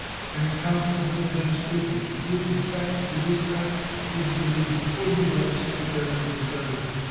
An account of the measures taken to give effect to this act will be laid before you by the Secretary of the Treasury.